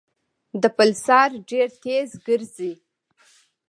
د پلسار ډېر تېز ګرځي.